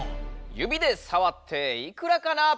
指でさわっていくらかな？